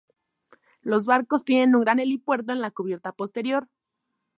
Los barcos tienen un gran helipuerto en la cubierta posterior.